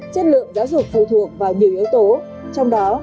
chất lượng giáo dục phù thuộc vào nhiều yếu tố